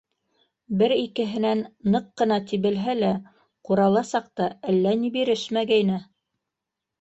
Бер-икеһенән ныҡ ҡына тибелһә лә, ҡурала саҡта әллә ни бирешмәгәйне.